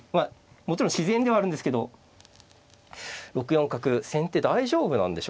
もちろん自然ではあるんですけど６四角先手大丈夫なんでしょうかね。